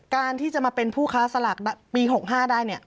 การที่จะมาเป็นผู้ค้าสลากปี๖๕ได้